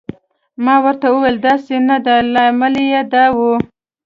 ما ورته وویل: داسې نه ده، لامل یې دا و.